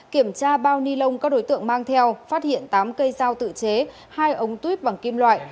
kiểm tra bao ni lông các đối tượng mang theo phát hiện tám cây dao tự chế hai ống tuyết bằng kim loại